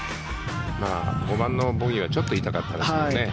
５番のボギーはちょっと痛かったですね。